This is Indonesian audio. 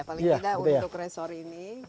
paling tidak untuk resor ini